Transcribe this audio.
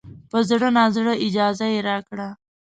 په زړه نازړه اجازه یې راکړه.